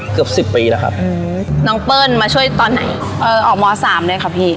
เกือบสิบปีแล้วครับอืมน้องเปิ้ลมาช่วยตอนไหนเอ่อออกมสามเลยค่ะพี่